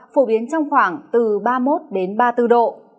phổ biến trong khoảng từ ba mươi một đến ba mươi bốn độ